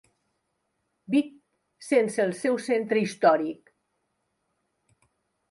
Vic sense el seu centre històric.